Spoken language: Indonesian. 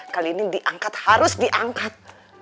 kali ini diangkat harus diangkat